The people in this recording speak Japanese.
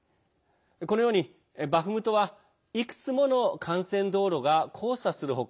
このようにバフムトはいくつもの幹線道路が交差する他